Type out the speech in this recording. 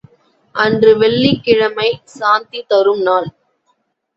அன்று வெள்ளிக் கிழமை சாந்தி தரும் நாள்.